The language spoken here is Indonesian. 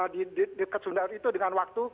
dekat sumber itu dengan waktu